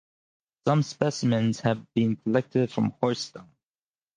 Some specimens have been collected from horse dung.